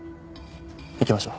行きましょう。